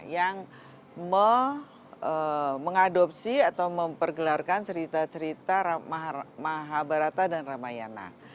yang mengadopsi atau mempergelarkan cerita cerita mahabharata dan ramayana